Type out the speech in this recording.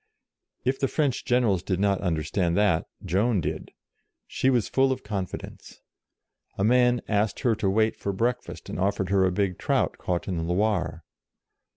If the French generals did not understand that, Joan did. She was full of confidence. A man asked her to wait for breakfast, and offered her a big trout caught in the Loire.